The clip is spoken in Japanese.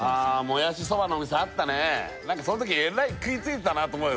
もやしそばのお店あったねなんかそのときえらい食いついてたなと思うよ